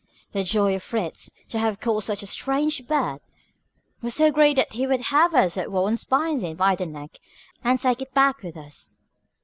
The joy of Fritz, to have caught such a strange bird, was so great that he would have us at once bind it by the neck and take it back with us.